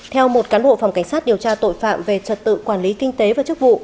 theo một cán bộ phòng cảnh sát điều tra tội phạm về trật tự quản lý kinh tế và chức vụ